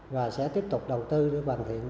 và sẽ tiếp tục đầu tư để bàn thiện